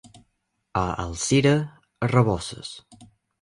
A Alzira, raboses.